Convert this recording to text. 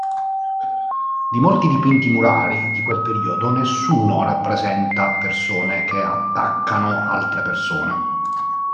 Di molti dipinti murari di quel periodo, nessuno rappresenta persone che attaccano altre persone.